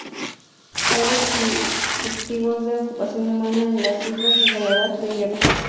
Hay vestigios de ocupación humana en las islas desde la edad de hierro.